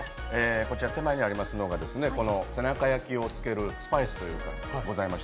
こちら隣にありますのが背中焼きにつけるスパイスでございます。